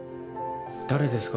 誰ですか？